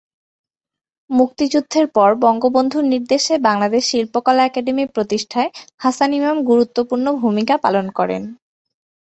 মুক্তিযুদ্ধের পর বঙ্গবন্ধুর নির্দেশে বাংলাদেশ শিল্পকলা একাডেমি প্রতিষ্ঠায় হাসান ইমাম গুরুত্বপূর্ণ ভূমিকা পালন করেন।